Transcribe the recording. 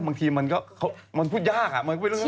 บางทีมันก็พูดยากอะ